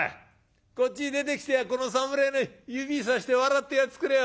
こっちに出てきてこの侍に指さして笑ってやっつくれよ。